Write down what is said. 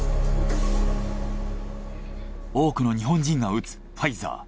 多くの日本人が打つファイザー。